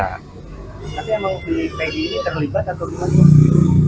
tapi emang di pi terlibat atau gimana